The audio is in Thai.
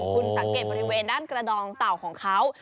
คุณสังเกตบริเวณด้านกระดองเต่าของเขา